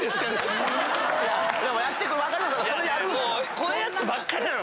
こういうやつばっかりなの。